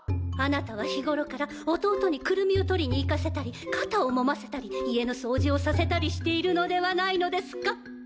あなたは日ごろから弟にクルミをとりに行かせたり肩をもませたり家の掃除をさせたりしているのではないのですか？